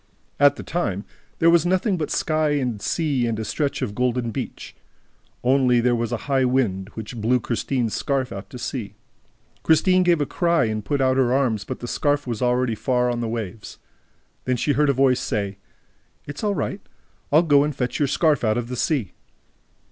At that time, there was nothing but sky and sea and a stretch of golden beach. Only, there was also a high wind, which blew Christine's scarf out to sea. Christine gave a cry and put out her arms, but the scarf was already far on the waves. Then she heard a voice say: "It's all right, I'll go and fetch your scarf out of the sea."